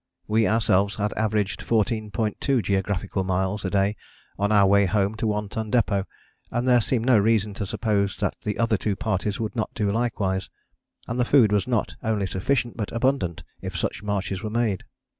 We ourselves had averaged 14.2 geographical miles a day on our way home to One Ton Depôt, and there seemed no reason to suppose that the other two parties would not do likewise, and the food was not only sufficient but abundant if such marches were made.